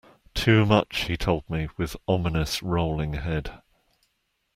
Too much, he told me, with ominous rolling head.